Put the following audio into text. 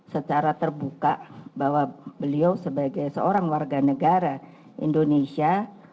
secara terbuka bahwa beliau sebagai seorang warga negara indonesia